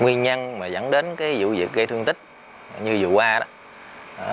nguyên nhân mà dẫn đến cái vụ dự kê thương tích như vừa qua đó